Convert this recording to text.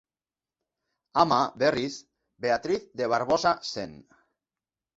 Ama, berriz, Beatriz de Barbosa zen.